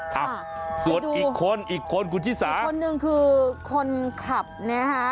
ค่ะไปดูอีกคนคุณชี่สาอีกคนนึงคือคนขับนะฮะ